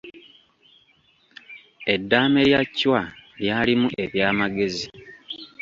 Eddaame lya Chwa lyalimu eby’amagezi.